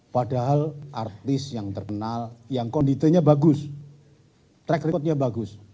padahal artis yang terkenal yang konditenya bagus track recordnya bagus